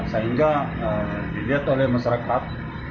sehingga dilihat oleh masyarakat